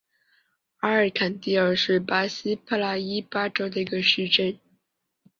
阿尔坎蒂尔是巴西帕拉伊巴州的一个市镇。